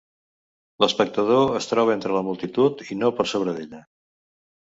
L’espectador es troba entre la multitud i no per sobre d’ella.